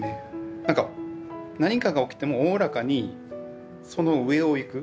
なんか何かが起きてもおおらかにその上をいく。